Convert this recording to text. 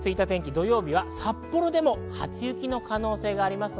土曜日は札幌でも初雪の可能性があります。